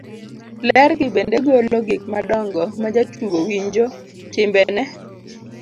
ler gi bende golo gik madongo majatugo winjo, timbene